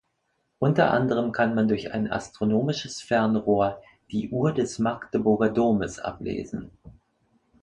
Unter anderem kann man durch ein astronomisches Fernrohr die Uhr des Magdeburger Domes ablesen.